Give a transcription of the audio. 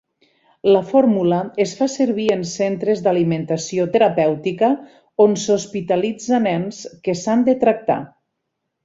La fórmula es fa servir en centres d'alimentació terapèutica on s'hospitalitza nens que s'han de tractar.